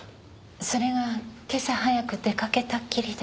それが今朝早く出かけたっきりで。